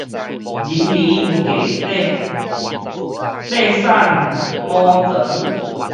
人貧計短，馬瘦毛長